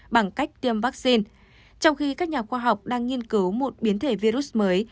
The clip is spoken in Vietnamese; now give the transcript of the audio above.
bằng cách tiêm vaccine trong khi các nhà khoa học đang nghiên cứu một biến thể virus mới